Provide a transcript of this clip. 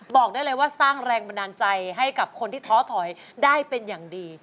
บอกได้เลยว่าสร้างแรงบันดาลใจให้กับคนที่ท้อถอยได้เป็นอย่างดี